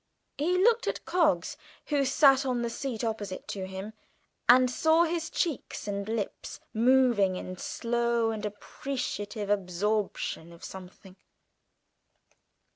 He looked at Coggs, who sat on the seat opposite to him, and saw his cheeks and lips moving in slow and appreciative absorption of something.